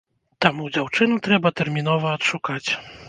Таму дзяўчыну трэба тэрмінова адшукаць!